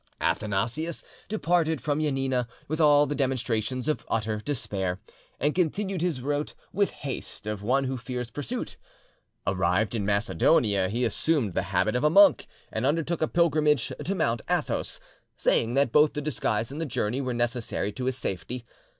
Athanasius departed from Janina with all the demonstrations of utter despair, and continued his route with the haste of one who fears pursuit. Arrived in Macedonia, he assumed the habit of a monk, and undertook a pilgrimage to Mount Athos, saying that both the disguise and the journey were necessary to his safety.